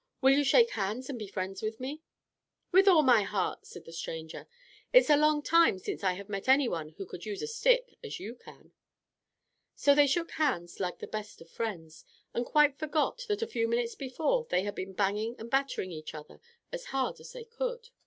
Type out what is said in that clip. Will you shake hands and be friends with me?" "With all my heart," said the stranger. "It is a long time since I have met any one who could use a stick as you can." So they shook hands like the best of friends, and quite forgot that a few minutes before they had been banging and battering each other as hard as they could.